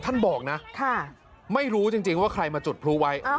ท่านบอกนะไม่รู้จริงว่าใครมาจุดพลุไว้